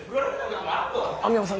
網浜さん